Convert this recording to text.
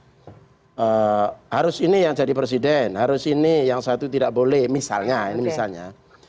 presiden cawe cawe mulai dari proses harus ini yang jadi presiden harus ini yang satu tidak boleh misalnya ini misalnya